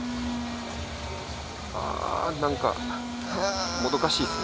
あぁ何かもどかしいですね。